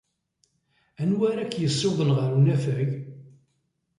Anwa ara k-yessiwḍen ɣer unafag?